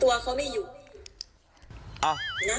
ตัวเขาไม่อยู่